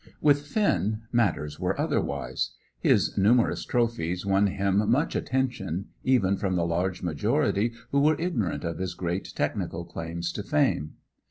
With Finn matters were otherwise. His numerous trophies won him much attention, even from the large majority who were ignorant of his great technical claims to fame.